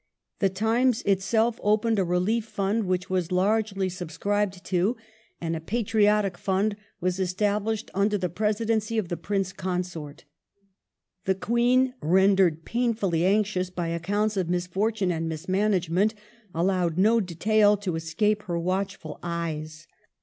The Times itself opened a relief fund which was largely subscribed to, and a Patriotic Fund was established under the presidency of the Prince Consort. The Queen, i*endered painfully anxious by accounts of misfortune and mismanagement, allowed no detail to escape her watchful eyes.